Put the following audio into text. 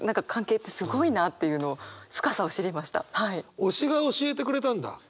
推しが教えてくれたんだ？